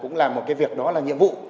cũng là một cái việc đó là nhiệm vụ